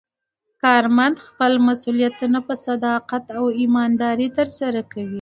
کارمند خپل مسوولیتونه په صداقت او ایماندارۍ ترسره کوي